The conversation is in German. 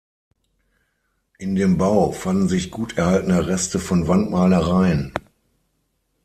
In dem Bau fanden sich gut erhaltene Reste von Wandmalereien.